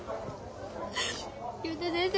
竜太先生